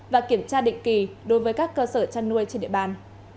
và kiểm tra định kỳ đối với các cơ sở chăn nuôi trên địa bàn